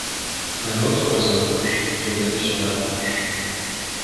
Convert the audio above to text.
Un autre oiseau rouge était venu sur la branche.